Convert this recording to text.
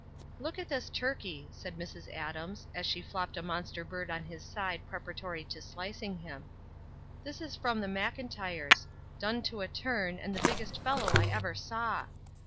''Look at this turkey/' said Mrs. Adams, as she flopped a monster bird on his side prepara tory to slicing him. "This is from the Mcln tyres; done to a turn, and the biggest fellow I ever saw.